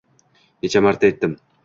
Necha marta aytdim